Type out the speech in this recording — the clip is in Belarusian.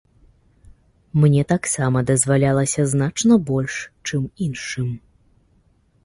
Мне таксама дазвалялася значна больш, чым іншым.